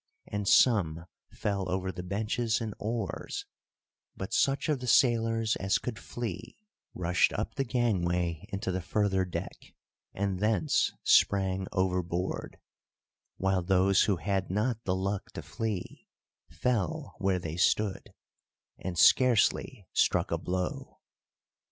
And some fell over the benches and oars, but such of the sailors as could flee rushed up the gangway into the further deck, and thence sprang overboard, while those who had not the luck to flee fell where they stood, and scarcely struck a blow.